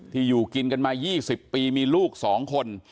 ที่อยู่กินกันมา๒๐ปีมีลูกสองคน